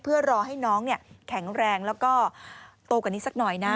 เพื่อรอให้น้องแข็งแรงแล้วก็โตกว่านี้สักหน่อยนะ